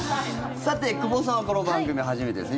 さて、久保さんはこの番組初めてですね。